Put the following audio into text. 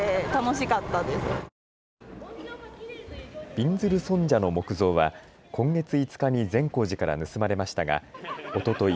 びんずる尊者の木像は今月５日に善光寺から盗まれましたがおととい